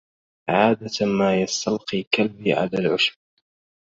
عادة ما يستلقي كلبي على العشب.